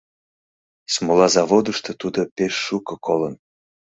Смола заводышто тудо пеш шуко колын.